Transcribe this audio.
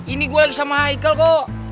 ini gua lagi sama michael kok